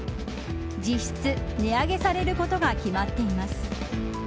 実質、値上げされることが決まっています。